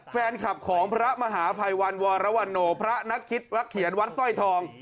แฟนคลับของพระมหาภัยวันวรวรโนพระนักคิดวักเขียนวัดสร้อยทอง